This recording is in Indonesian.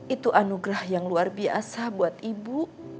itu anugerah yang luar biasa buat ibu